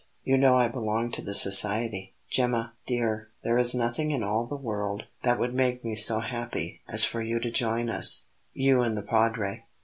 You know I belong to the society. Gemma, dear, there is nothing in all the world that would make me so happy as for you to join us you and the Padre."